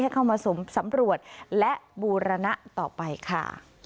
เข้ามาสำรวจและบูรณะต่อไปค่ะ